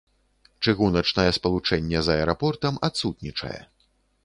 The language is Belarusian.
Чыгуначнае спалучэнне з аэрапортам адсутнічае.